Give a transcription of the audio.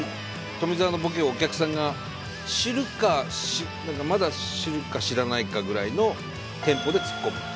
富澤のボケをお客さんが知るかまだ知るか知らないかぐらいのテンポでツッコむ。